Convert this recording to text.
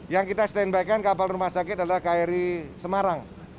yang kita standby kan kapal rumah sakit adalah kri semarang